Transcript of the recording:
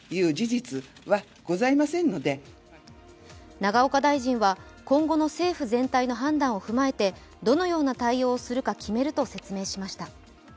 永岡大臣は、今後の政府全体の判断を踏まえてどのような対応をするか決めると説明しました。